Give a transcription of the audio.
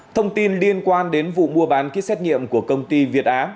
thông tin liên quan đến vụ mua bán ký xét nghiệm của công ty việt á